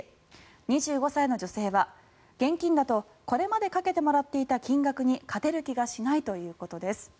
２５歳の女性は、現金だとこれまでかけてもらっていた金額に勝てる気がしないということです。